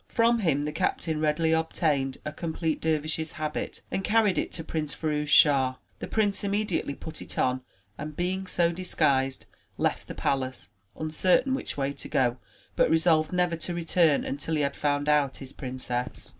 From him the Captain readily obtained a com plete dervish's habit, and carried it to Prince Firouz Schah. The prince immediately put it on, and being so disguised, left the palace, uncertain which way to go, but resolved never to return until he had found out his princess.